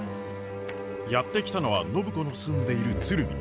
やって来たのは暢子の住んでいる鶴見。